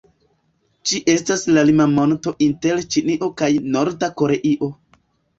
Ĝi estas la lima monto inter Ĉinio kaj Norda Koreio.